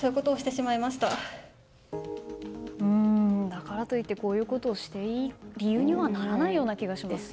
だからといってこういうことをしていい理由にはならないような気がします。